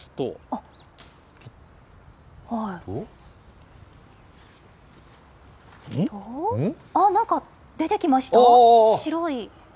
あっ、なんか出てきました？